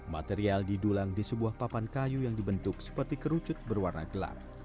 material didulang di sebuah papan kayu yang dibentuk seperti kerucut berwarna gelap